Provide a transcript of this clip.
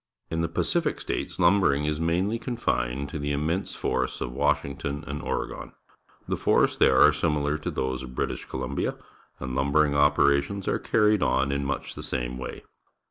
In the Pacific States lumbering is mainly confined to the innnense forests of Washing ton and Oregon. The forests there are similar to those of British Columbia, and lumbering operations are carried on in much the same way.